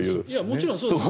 もちろんそうです。